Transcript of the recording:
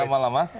selamat malam mas